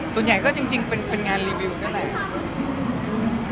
ส่วนใหญ่ก็จริงเป็นงานรีวิวนั่นแหละ